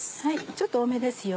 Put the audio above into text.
ちょっと多めですよ。